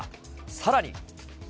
さらに。